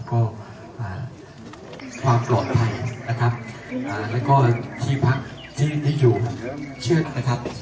ก็อ่าความปลอดภัยนะครับอ่าแล้วก็ที่พักที่มีอยู่นะครับ